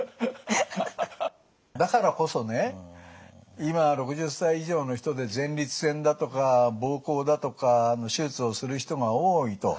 だからこそね今６０歳以上の人で前立腺だとか膀胱だとかの手術をする人が多いと。